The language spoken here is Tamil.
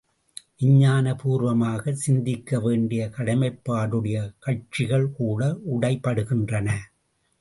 விஞ்ஞான பூர்வமாகச் சிந்திக்க வேண்டிய கடமைப்பாடுடைய கட்சிகள் கூட உடைபடுகின்றன.